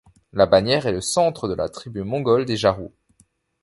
La bannière est le centre de la tribu mongole des Jarut.